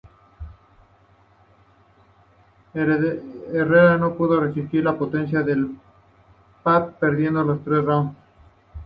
Herrera no pudo resistir la potencia de Papp perdiendo los tres rounds.